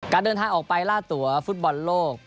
การเดินทางออกไปล่าตัวฟุตบอลโลก